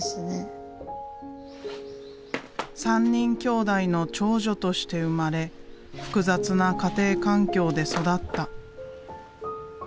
３人きょうだいの長女として生まれ複雑な家庭環境で育った。